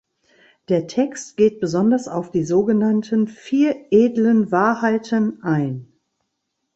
Der Text geht besonders auf die sogenannten „Vier Edlen Wahrheiten“ ein.